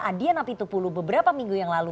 adhiana pitupulu beberapa minggu yang lalu